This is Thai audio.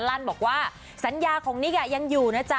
ลั่นบอกว่าสัญญาของนิกยังอยู่นะจ๊